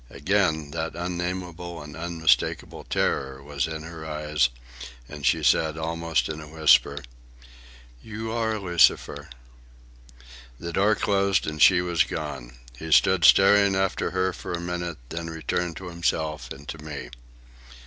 Again that unnamable and unmistakable terror was in her eyes, and she said, almost in a whisper, "You are Lucifer." The door closed and she was gone. He stood staring after her for a minute, then returned to himself and to me.